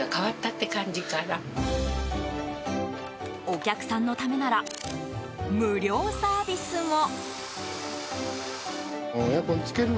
お客さんのためなら無料サービスも。